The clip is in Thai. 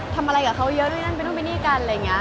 ทำอะไรกับเขาเยอะด้วยนั่นไปนู่นไปนี่กันอะไรอย่างนี้